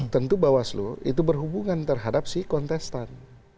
tentu mbak waslu itu berhubungan terhadap si kontestan